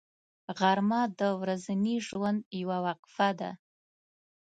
غرمه د ورځني ژوند یوه وقفه ده